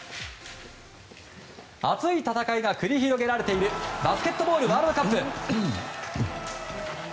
熱い戦いが繰り広げられているバスケットボールワールドカップ。